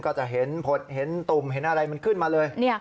ก็จะเห็นผดเห็นตุ่มเห็นอะไรมันขึ้นมาเลย